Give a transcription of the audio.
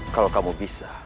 kalau kamu bisa